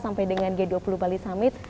sampai dengan g dua puluh bali summit